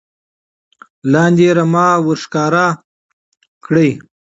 لاندې رمه ور ښکاره کړي